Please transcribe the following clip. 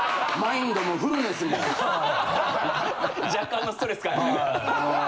若干のストレス感じて。